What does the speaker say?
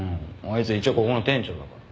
あいつ一応ここの店長だから。